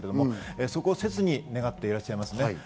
そこを切に願っていらっしゃいます。